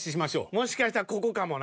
もしかしたらここかもな。